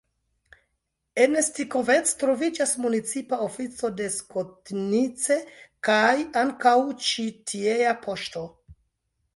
En Stikovec troviĝas municipa ofico de Skotnice kaj ankaŭ ĉi tiea poŝto.